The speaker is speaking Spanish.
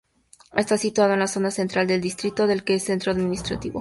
Está situado en la zona central del distrito, del que es centro administrativo.